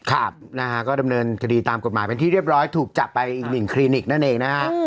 ครับนะฮะก็ดำเนินคดีตามกฎหมายเป็นที่เรียบร้อยถูกจับไปอีกหนึ่งคลินิกนั่นเองนะฮะ